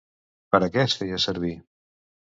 Per a què es feia servir?